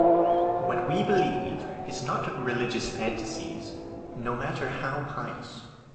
What we believe in is not religious fantasies, no matter how pious.